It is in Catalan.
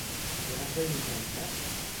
Quan es va iniciar el cas?